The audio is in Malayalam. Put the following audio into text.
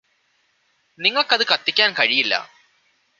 നിങ്ങള്ക്കത് കത്തിക്കാന് കഴിയില്ല